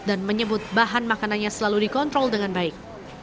dan menyebut bahan makanannya selalu dikontrol dengan baik